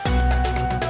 saya juga ngantuk